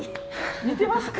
似てますか？